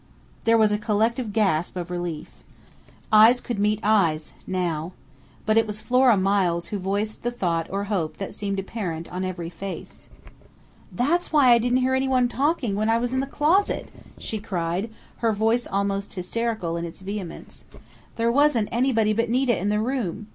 _" There was a collective gasp of relief. Eyes could meet eyes now. But it was Flora Miles who voiced the thought or hope that seemed apparent on every face. "That's why I didn't hear anyone talking when I was in the closet!" she cried, her voice almost hysterical in its vehemence. "_There wasn't anybody but Nita in the room!